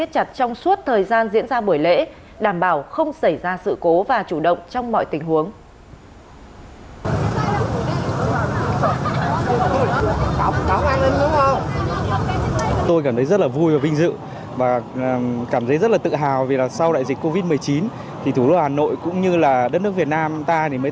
trong suốt thời gian diễn ra sự kiện tri cục an toàn viện sinh thực phẩm tỉnh